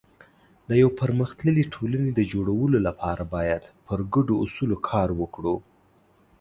د یو پرمختللي ټولنې د جوړولو لپاره باید پر ګډو اصولو کار وکړو.